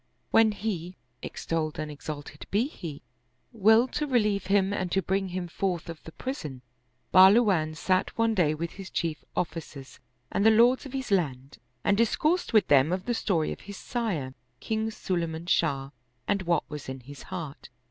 When He (extolled and ex alted be He !) willed to relieve him and to bring him forth 70 The Scar on the Throai of the prison, Bahluv/an sat one day with his chief Officers and the Lords of his land and discoursed with them of the story of his sire, King Sulayman Shah and what was in his heart.